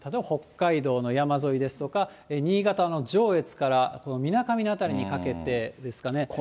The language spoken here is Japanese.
北海道の山沿いですとか、新潟の上越からみなかみの辺りにかけてですかね。